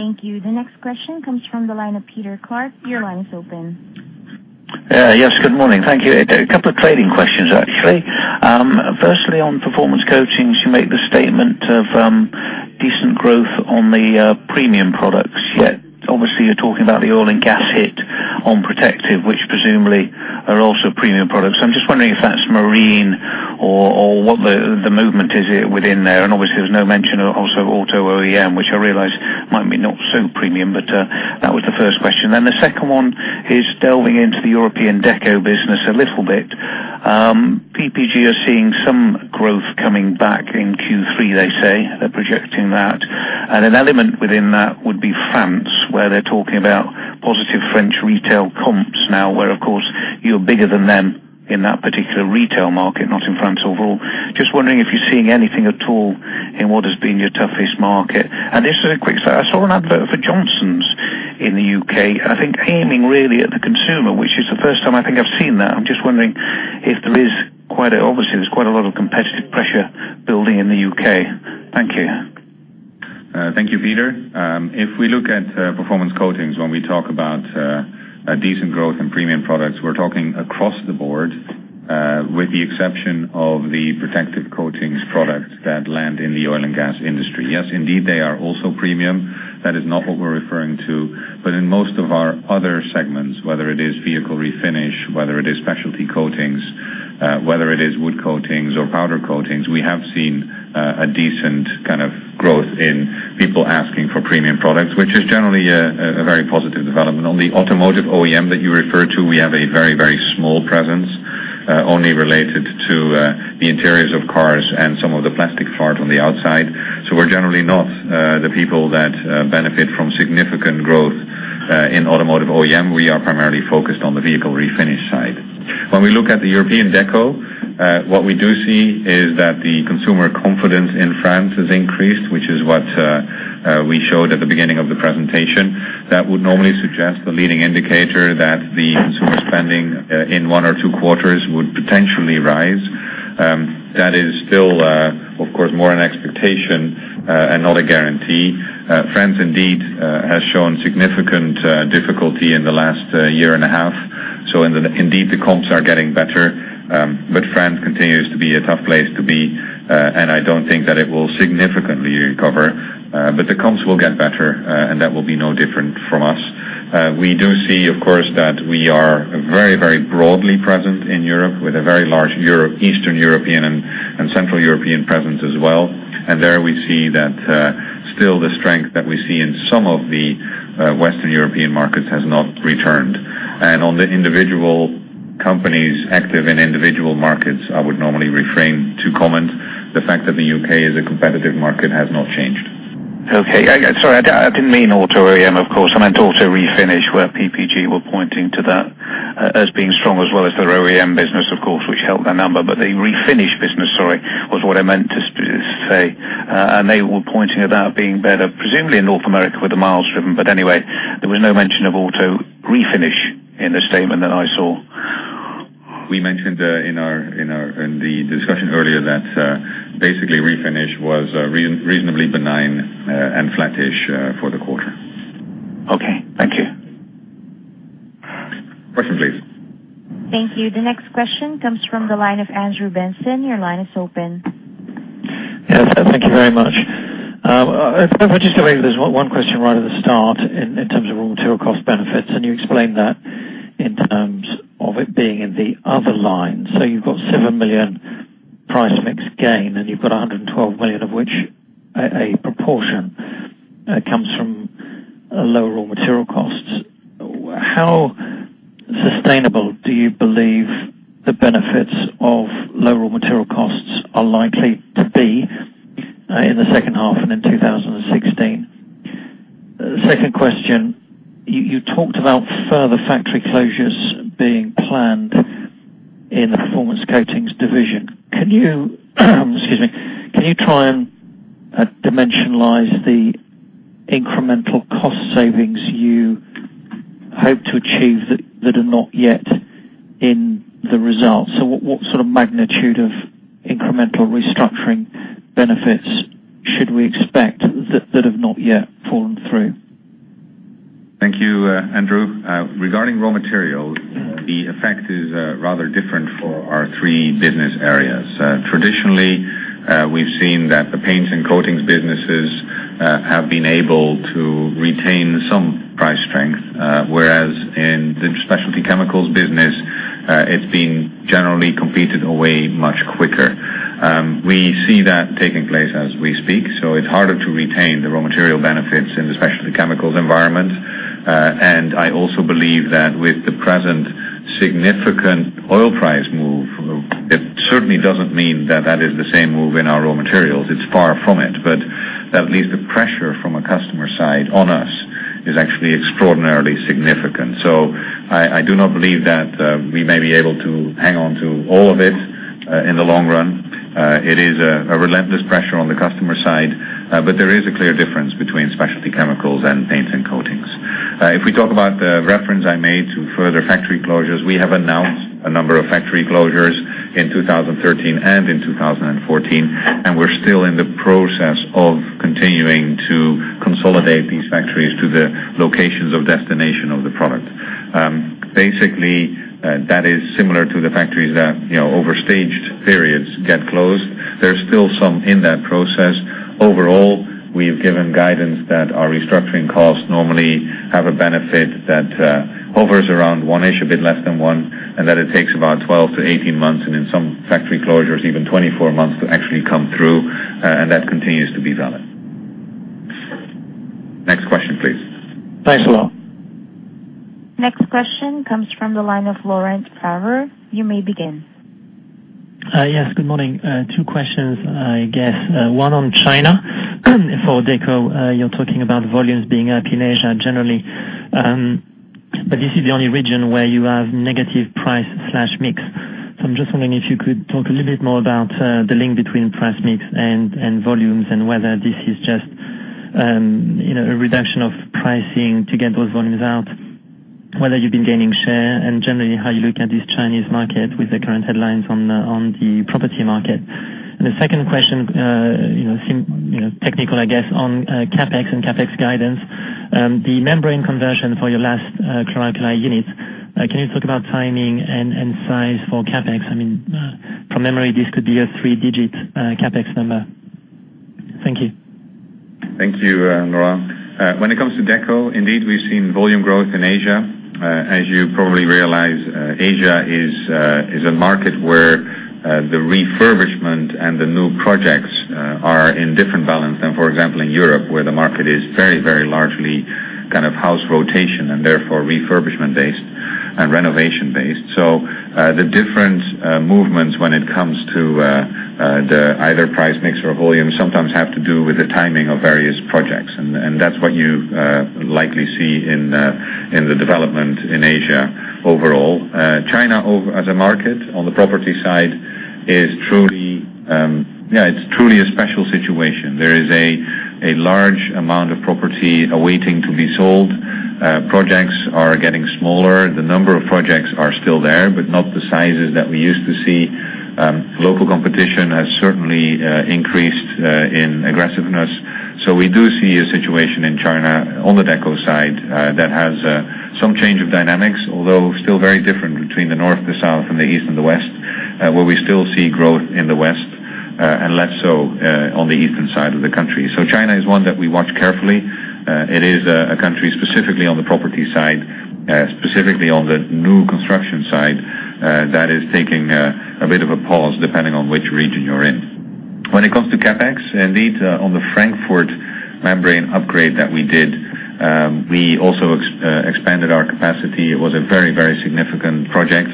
Thank you. The next question comes from the line of Peter Clark. Your line is open. Yes, good morning. Thank you. A couple of trading questions actually. Firstly, on Performance Coatings, you made the statement of decent growth on the premium products, yet obviously you're talking about the oil and gas hit on protective, which presumably are also premium products. I'm just wondering if that's marine or what the movement is within there, obviously there's no mention of also auto OEM, which I realize might be not so premium, but that was the first question. The second one is delving into the European Deco business a little bit. PPG are seeing some growth coming back in Q3, they say. They're projecting that. An element within that would be France, where they're talking about positive French retail comps now, where, of course, you're bigger than them in that particular retail market, not in France overall. Just wondering if you're seeing anything at all in what has been your toughest market. This is a quick one. I saw an advert for Johnstone's in the U.K., I think aiming really at the consumer, which is the first time I think I've seen that. I'm just wondering if there is quite a lot of competitive pressure building in the U.K. Thank you. Thank you, Peter. If we look at Performance Coatings, when we talk about decent growth in premium products, we're talking across the board, with the exception of the protective coatings products that land in the oil and gas industry. Yes, indeed, they are also premium. That is not what we're referring to. In most of our other segments, whether it is vehicle refinish, whether it is specialty coatings, whether it is wood coatings or powder coatings, we have seen a decent kind of growth in people asking for premium products, which is generally a very positive development. On the automotive OEM that you refer to, we have a very small presence, only related to the interiors of cars and some of the plastic part on the outside. We're generally not the people that benefit from significant growth in automotive OEM. We are primarily focused on the vehicle refinish side. When we look at the European Deco, what we do see is that the consumer confidence in France has increased, which is what we showed at the beginning of the presentation. That would normally suggest the leading indicator that the consumer spending in one or two quarters would potentially rise. That is still, of course, more an expectation and not a guarantee. France indeed has shown significant difficulty in the last year and a half. Indeed the comps are getting better, but France continues to be a tough place to be, and I don't think that it will significantly recover. The comps will get better, and that will be no different from us. We do see, of course, that we are very broadly present in Europe with a very large Eastern European and Central European presence as well. There we see that still the strength that we see in some of the Western European markets has not returned. On the individual companies active in individual markets, I would normally refrain to comment. The fact that the U.K. is a competitive market has not changed. Sorry, I didn't mean auto OEM, of course. I meant auto refinish, where PPG were pointing to that as being strong as well as their OEM business, of course, which helped their number. The refinish business, sorry, was what I meant to say. They were pointing at that being better, presumably in North America with the miles driven. Anyway, there was no mention of auto refinish in the statement that I saw. We mentioned in the discussion earlier that basically refinish was reasonably benign and flattish for the quarter. Thank you. The next question comes from the line of Andrew Benson. Your line is open. Yes. Thank you very much. If I could just maybe there is one question right at the start in terms of raw material cost benefits. You explained that in terms of it being in the other line. You have 7 million price mix gain. You have 112 million, of which a proportion comes from lower raw material costs. How sustainable do you believe the benefits of lower raw material costs are likely to be in the second half and in 2016? The second question, you talked about further factory closures being planned in the Performance Coatings division. Can you excuse me. Can you try and dimensionalize the incremental cost savings you hope to achieve that are not yet in the results? What sort of magnitude of incremental restructuring benefits should we expect that have not yet fallen through? Thank you, Andrew. Regarding raw materials, the effect is rather different for our three business areas. Traditionally, we've seen that the paints and coatings businesses have been able to retain some price strength, whereas in the Specialty Chemicals business, it's been generally competed away much quicker. We see that taking place as we speak, it's harder to retain the raw material benefits in the Specialty Chemicals environment. I also believe that with the present significant oil price move, it certainly doesn't mean that that is the same move in our raw materials. It's far from it. At least the pressure from a customer side on us is actually extraordinarily significant. I do not believe that we may be able to hang on to all of it in the long run. It is a relentless pressure on the customer side. There is a clear difference between Specialty Chemicals and paints and coatings. If we talk about the reference I made to further factory closures, we have announced a number of factory closures in 2013 and in 2014. We're still in the process of continuing to consolidate these factories to the locations of destination of the product. Basically, that is similar to the factories that over staged periods get closed. There's still some in that process. Overall, we have given guidance that our restructuring costs normally have a benefit that hovers around one-ish, a bit less than one. It takes about 12 to 18 months, in some factory closures, even 24 months to actually come through. That continues to be valid. Next question, please. Thanks a lot. Next question comes from the line of Laurent Favre. You may begin. Yes, good morning. 2 questions, I guess. One on China for Deco. You're talking about volumes being up in Asia generally. This is the only region where you have negative price/mix. I'm just wondering if you could talk a little bit more about the link between price/mix and volumes and whether this is just a reduction of pricing to get those volumes out, whether you've been gaining share, and generally how you look at this Chinese market with the current headlines on the property market. The second question, technical, I guess, on CapEx and CapEx guidance. The membrane conversion for your last chloralkali unit. Can you talk about timing and size for CapEx? From memory, this could be a 3-digit CapEx number. Thank you. Thank you, Laurent. When it comes to Deco, indeed, we've seen volume growth in Asia. As you probably realize Asia is a market where the refurbishment and the new projects are in different balance than, for example, in Europe, where the market is very largely house rotation and therefore refurbishment-based and renovation-based. The different movements when it comes to the either price/mix or volume sometimes have to do with the timing of various projects, and that's what you likely see in the development in Asia overall. China as a market on the property side is truly a special situation. There is a large amount of property awaiting to be sold. Projects are getting smaller. The number of projects are still there, but not the sizes that we used to see. Local competition has certainly increased in aggressiveness. We do see a situation in China on the Deco side that has some change of dynamics, although still very different between the north, the south, and the east, and the west where we still see growth in the west, and less so on the eastern side of the country. China is one that we watch carefully. It is a country specifically on the property side, specifically on the new construction side that is taking a bit of a pause depending on which region you're in. When it comes to CapEx, indeed, on the Frankfurt membrane upgrade that we did, we also expanded our capacity. It was a very significant project.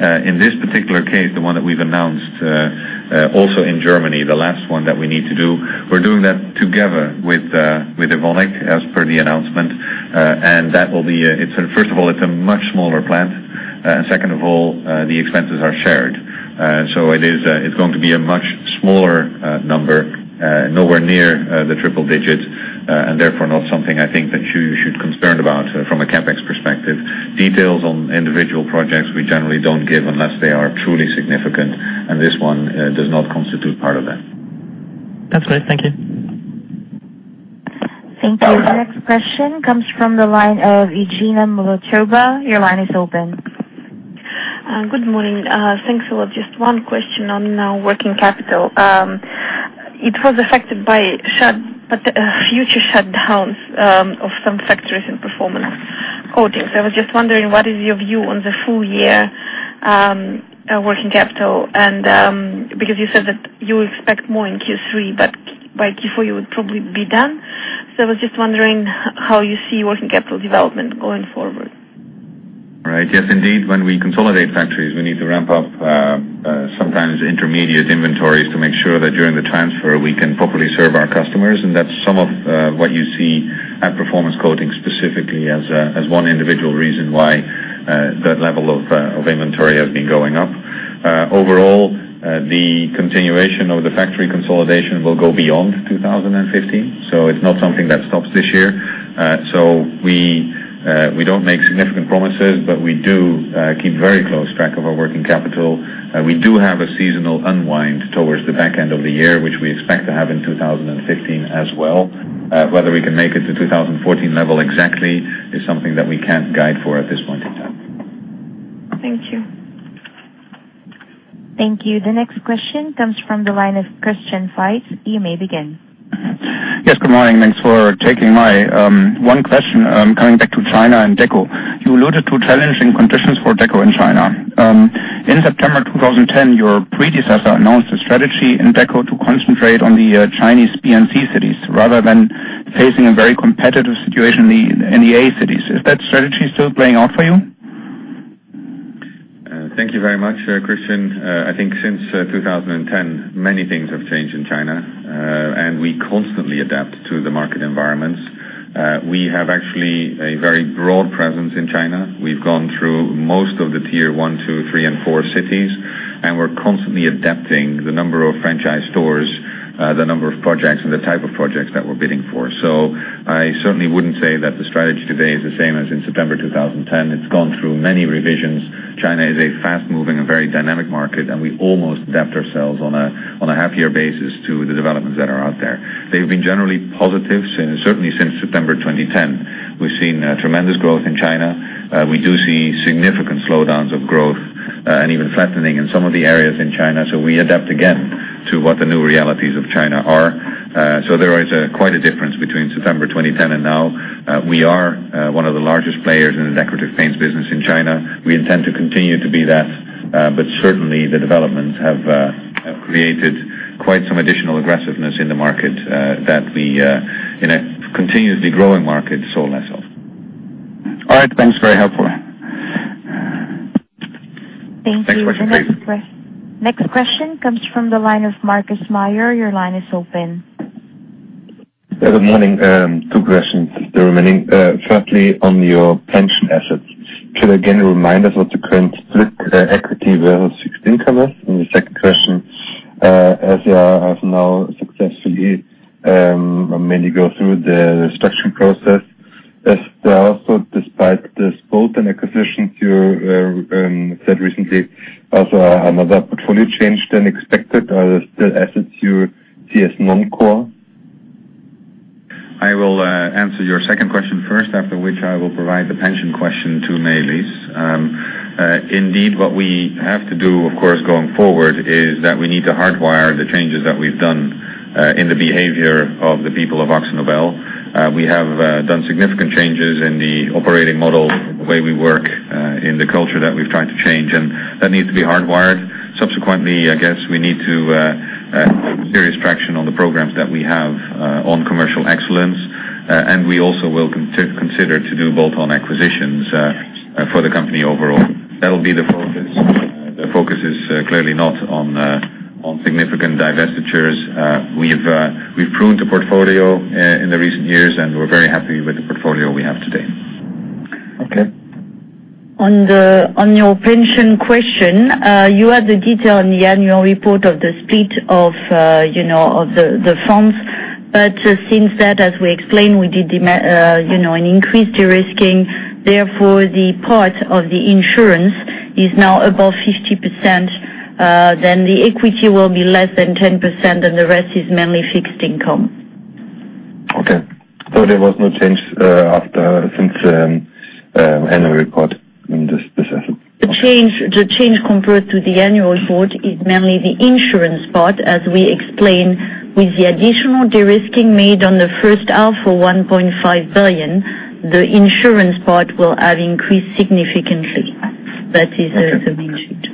In this particular case, the one that we've announced also in Germany, the last one that we need to do, we're doing that together with Evonik as per the announcement. First of all, it's a much smaller plant. Second of all, the expenses are shared. It's going to be a much smaller number, nowhere near the 3-digits, and therefore not something I think that you should be concerned about from a CapEx perspective. Details on individual projects we generally don't give unless they are truly significant, and this one does not constitute part of that. That's clear. Thank you. Thank you. The next question comes from the line of Evgenia Molotova. Your line is open. Good morning. Thanks a lot. Just one question on working capital. It was affected by future shutdowns of some factories in Performance Coatings. I was just wondering, what is your view on the full year working capital? You said that you expect more in Q3, but by Q4 you would probably be done. I was just wondering how you see working capital development going forward. Right. Yes, indeed. When we consolidate factories, we need to ramp up sometimes intermediate inventories to make sure that during the transfer we can properly serve our customers, and that's some of what you see at Performance Coatings specifically as one individual reason why that level of inventory has been going up. Overall, the continuation of the factory consolidation will go beyond 2015. It's not something that stops this year. We don't make significant promises, but we do keep very close track of our working capital. We do have a seasonal unwind towards the back end of the year, which we expect to have in 2015 as well. Whether we can make it to 2014 level exactly is something that we can't guide for at this point in time. Thank you. Thank you. The next question comes from the line of Christian Faitz. You may begin. Yes, good morning. Thanks for taking my call. One question, coming back to China and Deco. You alluded to challenging conditions for Deco in China. In September 2010, your predecessor announced a strategy in Deco to concentrate on the Chinese PNC cities, rather than facing a very competitive situation in the NEA cities. Is that strategy still playing out for you? Thank you very much, Christian. I think since 2010, many things have changed in China, and we constantly adapt to the market environments. We have actually a very broad presence in China. We've gone through most of the tier 1, 2, 3, and 4 cities, and we're constantly adapting the number of franchise stores, the number of projects, and the type of projects that we're bidding for. I certainly wouldn't say that the strategy today is the same as in September 2010. It's gone through many revisions. China is a fast-moving and very dynamic market, and we almost adapt ourselves on a half-year basis to the developments that are out there. They've been generally positive, certainly since September 2010. We've seen tremendous growth in China. We do see significant slowdowns of growth, and even flattening in some of the areas in China. We adapt again to what the new realities of China are. There is quite a difference between September 2010 and now. We are one of the largest players in the Decorative Paints business in China. We intend to continue to be that, certainly the developments have created quite some additional aggressiveness in the market that we, in a continuously growing market, sold less of. All right, thanks. Very helpful. Thank you. Thanks for the update. Next question comes from the line of Markus Mayer. Your line is open. Good morning. Two questions. The remaining, firstly on your pension assets. Could you again remind us what the current split equity versus fixed income is? The second question, as you have now successfully mainly gone through the restructuring process, is there also, despite this bolt-on acquisition you said recently, also another portfolio change than expected? Are there still assets you see as non-core? I will answer your second question first, after which I will provide the pension question to Maëlys. Indeed, what we have to do, of course, going forward is that we need to hardwire the changes that we've done in the behavior of the people of Akzo Nobel. We have done significant changes in the operating model, the way we work, in the culture that we've tried to change, and that needs to be hardwired. Subsequently, I guess we need to put serious traction on the programs that we have on commercial excellence. We also will consider to do bolt-on acquisitions for the company overall. That'll be the focus. The focus is clearly not on significant divestitures. We've pruned the portfolio in the recent years, and we're very happy with the portfolio we have today. Okay. On your pension question, you had the detail on the annual report of the split of the funds. Since that, as we explained, we did an increased de-risking, therefore, the part of the insurance is now above 50%. The equity will be less than 10%, and the rest is mainly fixed income. Okay. There was no change since the annual report in this asset? The change compared to the annual report is mainly the insurance part. As we explained, with the additional de-risking made on the first half of 1.5 billion, the insurance part will have increased significantly. That is the main change.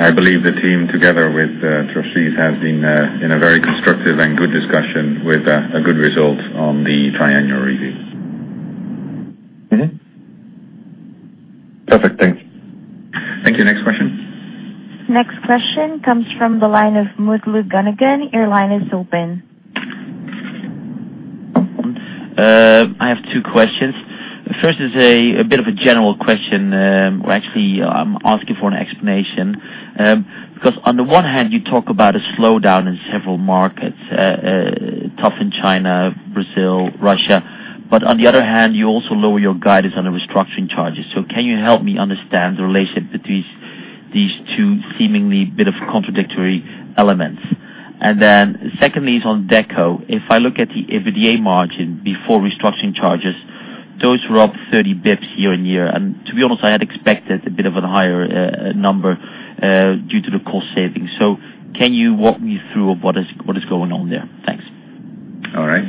I believe the team together with trustees has been in a very constructive and good discussion with a good result on the tri-annual review. Perfect. Thank you. Thank you. Next question. Next question comes from the line of Mutlu Gundogan. Your line is open. I have two questions. First is a bit of a general question. Actually, I am asking for an explanation. On the one hand, you talk about a slowdown in several markets, tough in China, Brazil, Russia. On the other hand, you also lower your guidance on the restructuring charges. Can you help me understand the relationship between these two seemingly bit of contradictory elements? Secondly is on Deco. If I look at the EBITDA margin before restructuring charges, those were up 30 basis points year-on-year. To be honest, I had expected a bit of a higher number due to the cost savings. Can you walk me through what is going on there? Thanks. All right.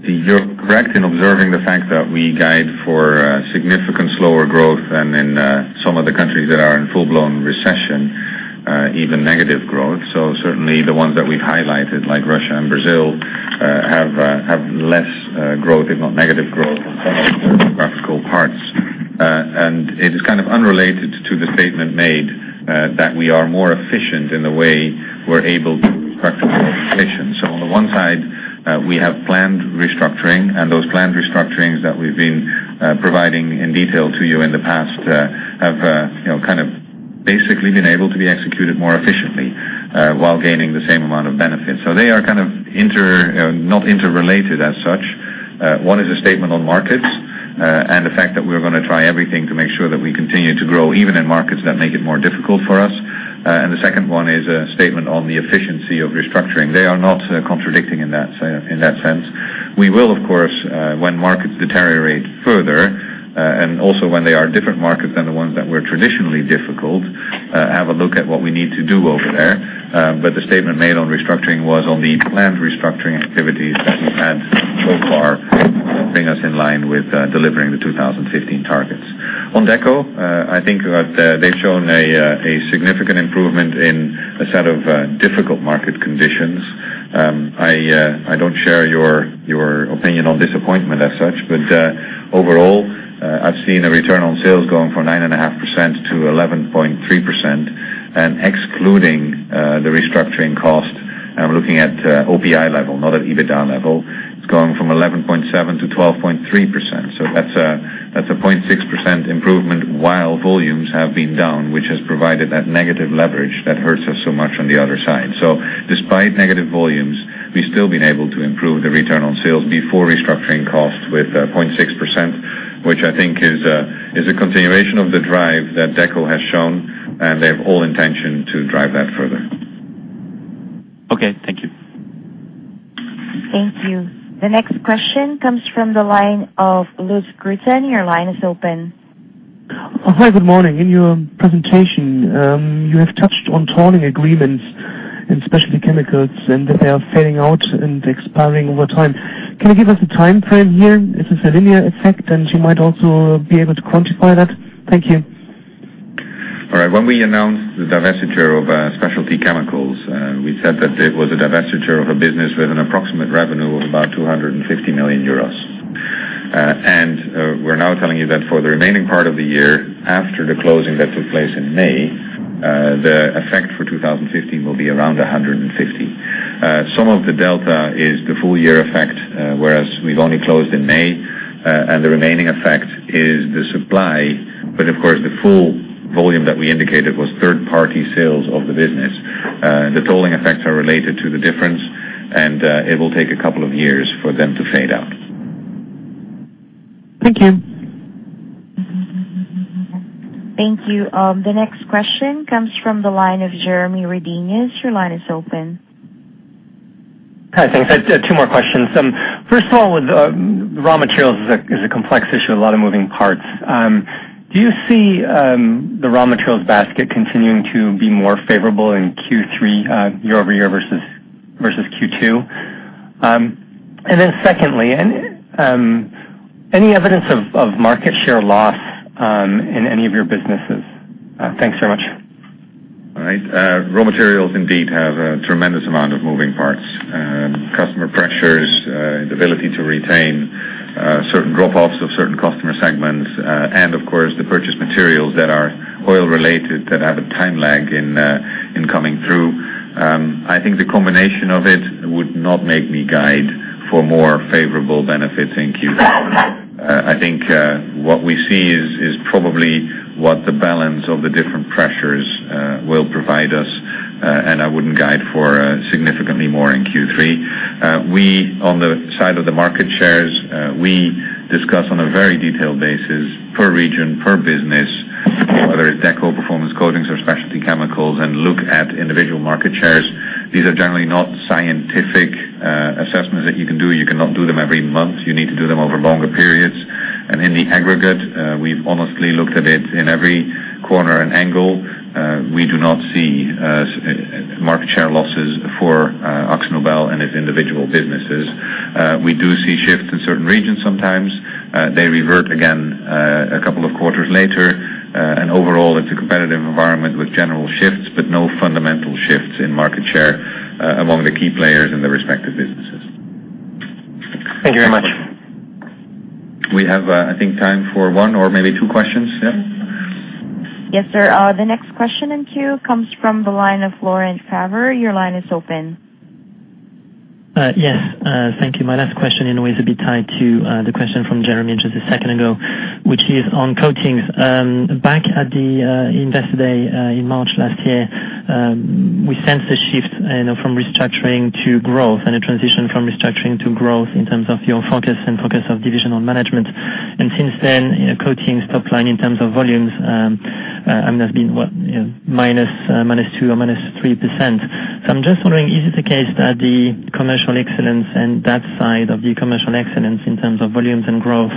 You are correct in observing the fact that we guide for significant slower growth and in some of the countries that are in full-blown recession, even negative growth. Certainly, the ones that we have highlighted, like Russia and Brazil, have less growth, if not negative growth in some of the geographical parts. It is kind of unrelated to the statement made that we are more efficient in the way we are able to practice optimization. On the one side, we have planned restructuring, and those planned restructurings that we have been providing in detail to you in the past have basically been able to be executed more efficiently while gaining the same amount of benefits. They are not interrelated as such. One is a statement on markets, the fact that we're going to try everything to make sure that we continue to grow even in markets that make it more difficult for us. The second one is a statement on the efficiency of restructuring. They are not contradicting in that sense. We will, of course, when markets deteriorate further, also when they are different markets than the ones that were traditionally difficult, have a look at what we need to do over there. The statement made on restructuring was on the planned restructuring activities that we've had so far bring us in line with delivering the 2015 targets. On Deco, I think that they've shown a significant improvement in a set of difficult market conditions. I don't share your opinion on disappointment as such, but overall, I've seen a return on sales going from 9.5% to 11.3%. Excluding the restructuring cost, I'm looking at OPI level, not at EBITDA level. It's gone from 11.7% to 12.3%. That's a 0.6% improvement while volumes have been down, which has provided that negative leverage that hurts us so much on the other side. Despite negative volumes, we've still been able to improve the return on sales before restructuring costs with 0.6%, which I think is a continuation of the drive that Deco has shown, they have all intention to drive that further. Okay. Thank you. Thank you. The next question comes from the line of Lutz Grueten. Your line is open. Hi, good morning. In your presentation, you have touched on tolling agreements in Specialty Chemicals, they are fading out and expiring over time. Can you give us a timeframe here? Is this a linear effect? You might also be able to quantify that. Thank you. All right. When we announced the divestiture of Specialty Chemicals, we said that it was a divestiture of a business with an approximate revenue of about 250 million euros. We're now telling you that for the remaining part of the year, after the closing that took place in May, the effect for 2015 will be around 150 million. Some of the delta is the full year effect, whereas we've only closed in May, the remaining effect is the supply. Of course, the full volume that we indicated was third-party sales of the business. The tolling effects are related to the difference, it will take a couple of years for them to fade out. Thank you. Thank you. The next question comes from the line of Jeremy Redenius. Your line is open. Hi. Thanks. I have two more questions. First of all, with raw materials is a complex issue, a lot of moving parts. Do you see the raw materials basket continuing to be more favorable in Q3 year-over-year versus Q2? Secondly, any evidence of market share loss in any of your businesses? Thanks so much. All right. Raw materials indeed have a tremendous amount of moving parts. Customer pressures, the ability to retain certain drop-offs of certain customer segments, and of course, the purchase materials that are oil related that have a time lag in coming through. I think the combination of it would not make me guide for more favorable benefits in Q3. I think what we see is probably what the balance of the different pressures will provide us, and I wouldn't guide for significantly more in Q3. We, on the side of the market shares, we discuss on a very detailed basis per region, per business, whether it's Deco, Performance Coatings or Specialty Chemicals, and look at individual market shares. These are generally not scientific assessments that you can do. You cannot do them every month. You need to do them over longer periods. In the aggregate, we've honestly looked at it in every corner and angle. We do not see market share losses for Akzo Nobel and its individual businesses. We do see shifts in certain regions sometimes. They revert again a couple of quarters later. Overall, it's a competitive environment with general shifts, but no fundamental shifts in market share among the key players in the respective businesses. Thank you very much. We have, I think, time for one or maybe two questions, yeah? Yes, sir. The next question in queue comes from the line of Laurent Favre. Your line is open. Yes. Thank you. My last question in a way is a bit tied to the question from Jeremy just a second ago. Which is on coatings. Back at the Investor Day in March last year, we sensed a shift from restructuring to growth and a transition from restructuring to growth in terms of your focus and focus of divisional management. Since then, coatings top line in terms of volumes, have been what? -2% or -3%. I'm just wondering, is it the case that the commercial excellence and that side of the commercial excellence in terms of volumes and growth,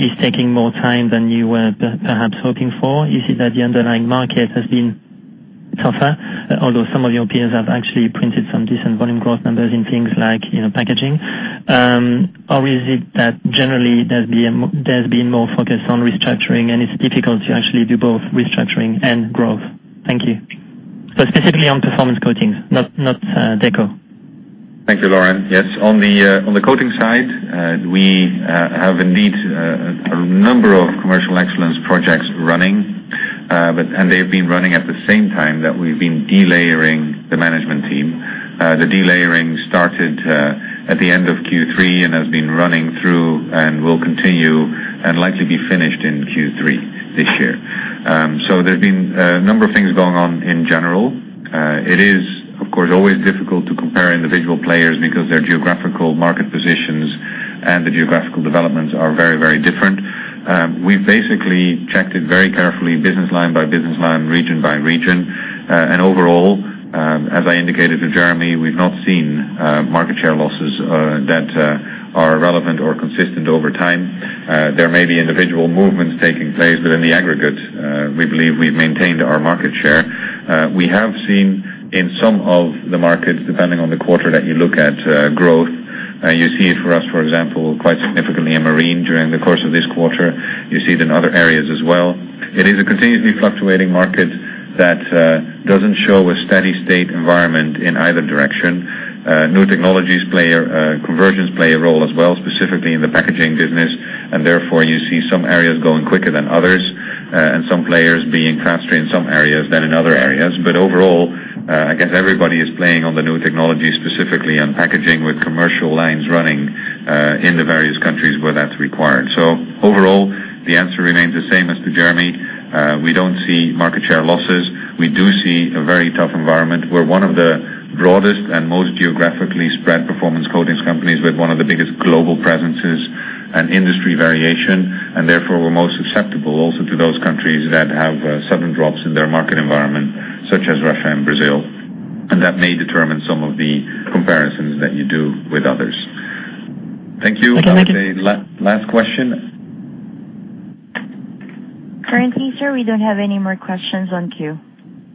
is taking more time than you were perhaps hoping for? Is it that the underlying market has been tougher? Although some of your peers have actually printed some decent volume growth numbers in things like packaging. Is it that generally there's been more focus on restructuring and it's difficult to actually do both restructuring and growth? Thank you. Specifically on Performance Coatings, not Deco. Thank you, Laurent. Yes, on the coating side, we have indeed a number of commercial excellence projects running. They've been running at the same time that we've been delayering the management team. The delayering started at the end of Q3 and has been running through and will continue and likely be finished in Q3 this year. There's been a number of things going on in general. It is, of course, always difficult to compare individual players because their geographical market positions and the geographical developments are very, very different. We've basically checked it very carefully business line by business line, region by region. Overall, as I indicated to Jeremy, we've not seen market share losses that are relevant or consistent over time. There may be individual movements taking place, but in the aggregate, we believe we've maintained our market share. We have seen in some of the markets, depending on the quarter that you look at, growth. You see it for us, for example, quite significantly in marine during the course of this quarter. You see it in other areas as well. It is a continuously fluctuating market that doesn't show a steady state environment in either direction. New technologies, conversions play a role as well, specifically in the packaging business. Therefore, you see some areas going quicker than others, and some players being faster in some areas than in other areas. Overall, I guess everybody is playing on the new technology, specifically on packaging, with commercial lines running in the various countries where that's required. Overall, the answer remains the same as to Jeremy. We don't see market share losses. We do see a very tough environment. We're one of the broadest and most geographically spread Performance Coatings companies with one of the biggest global presences and industry variation. Therefore, we're most susceptible also to those countries that have sudden drops in their market environment, such as Russia and Brazil. That may determine some of the comparisons that you do with others. Thank you. Thank you. Last question. Currently, sir, we don't have any more questions on queue.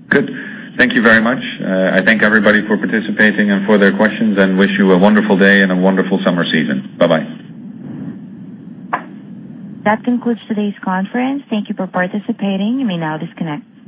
Good. Thank you very much. I thank everybody for participating and for their questions and wish you a wonderful day and a wonderful summer season. Bye-bye. That concludes today's conference. Thank you for participating. You may now disconnect.